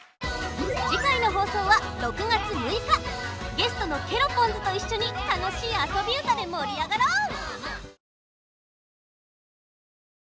ゲストのケロポンズといっしょにたのしいあそびうたでもりあがろう！